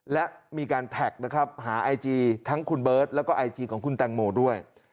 และมีการแท็กนะครับหาไอจีทั้งคุณเบิร์ตแล้วก็ไอจีของคุณแตงโมด้วย